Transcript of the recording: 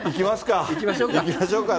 行きましょうか。